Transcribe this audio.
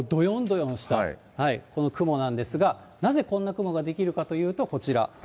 よんしたこの雲なんですが、なぜこんな雲が出来るかというと、こちら。